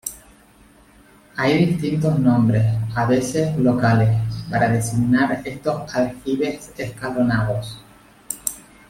Hay distintos nombres, a veces locales, para designar estos aljibes escalonados.